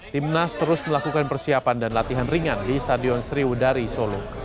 timnas terus melakukan persiapan dan latihan ringan di stadion sriwudari solo